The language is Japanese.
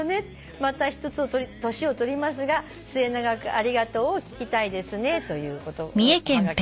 「また１つ年を取りますが末永くありがとうを聞きたいですね」というおはがきですけど。